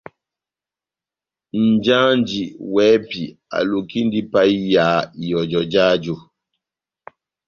Nʼjanji wɛ́hɛ́pi alukindi ipahiya ihɔjɔ jáju.